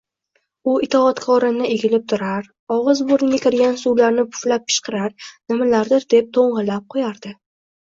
U itoatkorona egilib turar, ogʻiz-burniga kirgan suvlarni puvlab pishqirar, nimalardir deb toʻngʻillab qoʻyardi